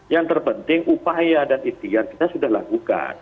yang terpenting upaya dan ikhtiar kita sudah lakukan